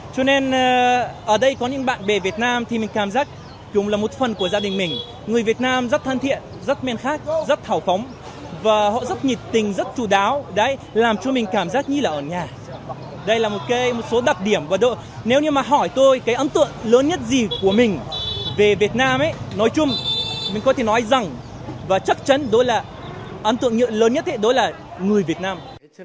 cái ấn tượng lớn nhất gì của mình về việt nam nói chung mình có thể nói rằng và chắc chắn đó là ấn tượng lớn nhất đó là người việt nam